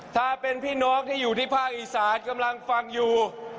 ถ้าเป็นพี่น้องที่อยู่ที่ภาคอีสานกำลังฟังอยู่